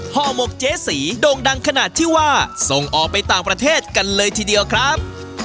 ห่อหมกเจ๊สีโด่งดังขนาดที่ว่าส่งออกไปต่างประเทศกันเลยทีเดียวครับ